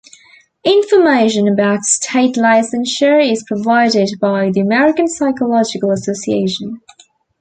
Information about state licensure is provided by the American Psychological Association.